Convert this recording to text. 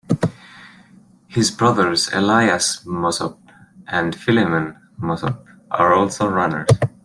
His brothers Elias Mosop and Philemon Mosop are also runners.